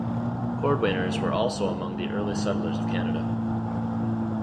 Cordwainers were also among the early settlers of Canada.